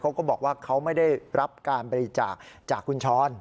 เขาก็บอกว่าเขาไม่ได้รับการบริจาคจากคุณช้อน